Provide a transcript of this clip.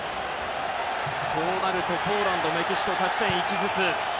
そうなるとポーランドメキシコは勝ち点１ずつ。